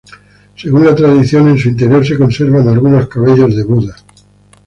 Según la tradición, en su interior se conservan algunos cabellos de Buda.